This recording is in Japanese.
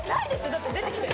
だって出てきた。